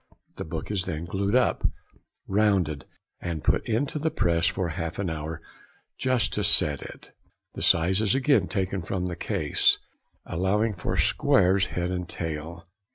The book is then glued up, rounded, and put into the press for half an hour, just to set it. The size is again taken from the case, allowing for squares head and tail.